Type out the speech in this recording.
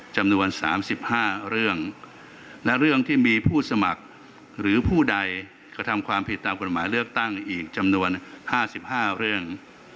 จำนวน๓๕เรื่องและเรื่องที่มีผู้สมัครหรือผู้ใดกระทำความผิดตามกฎหมายเลือกตั้งอีกจำนวน๕๕เรื่อง